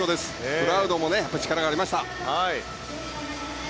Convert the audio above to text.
プラウドもやっぱり力がありました。